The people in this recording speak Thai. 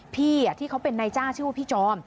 พี่ที่เขาเป็นนายจ้างชื่อว่าพี่จอม